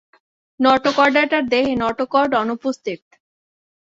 নটোকর্ডাটার দেহে নটোকর্ড অনুপস্থিত।